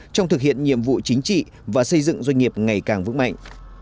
trong thực hiện nhiệm vụ chính trị và xây dựng doanh nghiệp ngày càng vững mạnh